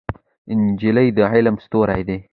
نجلۍ د علم ستورې ده.